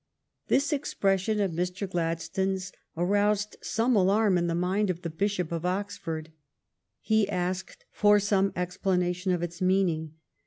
This expression of Mr. Gladstone's aroused some alarm in the mind of the Bishop of Oxford. He asked for some explanation of its meaning.